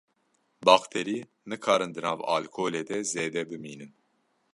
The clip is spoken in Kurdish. Bakterî nikarin di nav alkolê de zêde bimînin.